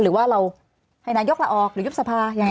หรือว่าเราให้นายกลาออกหรือยุบสภายังไง